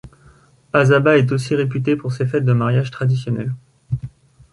Azzaba est aussi réputée pour ses fêtes de mariages traditionnelles.